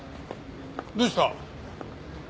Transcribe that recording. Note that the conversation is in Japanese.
どうした？